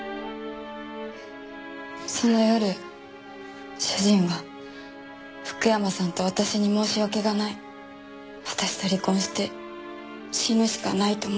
その夜主人は福山さんと私に申し訳がない私と離婚して死ぬしかないと漏らして。